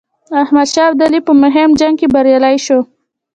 احمدشاه ابدالي په مهم جنګ کې بریالی شو.